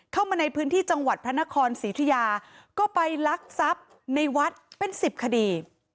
เข้ามาในพื้นที่จังหวัดพระนครศรีธุยาก็ไปลักทรัพย์ในวัดเป็น๑๐คดี